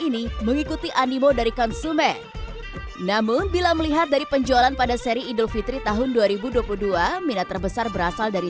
namun bila melihat dari penjualan pada seri idul fitri tahun dua ribu dua puluh dua minat terbesar berasal dari